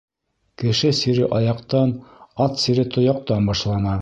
Кеше сире аяҡтан, ат сире тояҡтан башлана.